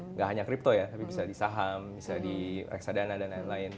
nggak hanya crypto ya tapi bisa di saham bisa di reksadana dan lain lain